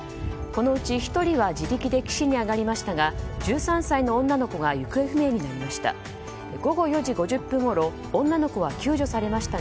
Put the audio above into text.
このうち１人は自力で岸に上がりましたが１３歳の女の子が行方不明になりました。